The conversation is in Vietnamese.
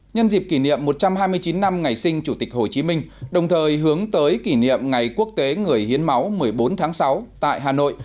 nhân dịp kỷ niệm một trăm hai mươi chín năm ngày sinh chủ tịch hồ chí minh đồng thời hướng tới kỷ niệm ngày quốc tế người hiến máu một mươi bốn tháng sáu tại hà nội